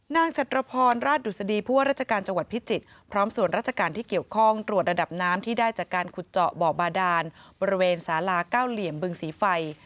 จัตรพรราชดุษฎีผู้ว่าราชการจังหวัดพิจิตรพร้อมส่วนราชการที่เกี่ยวข้องตรวจระดับน้ำที่ได้จากการขุดเจาะบ่อบาดานบริเวณสาลาเก้าเหลี่ยมบึงศรีไฟ